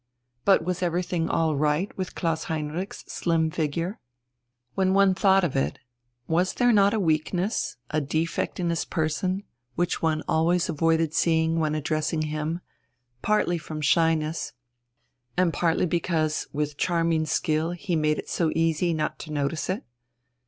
But was everything all right with Klaus Heinrich's slim figure? When one thought of it, was there not a weakness, a defect in his person, which one always avoided seeing when addressing him, partly from shyness, and partly because with charming skill he made it so easy not to notice it?